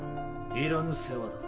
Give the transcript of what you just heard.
いらぬ世話だ。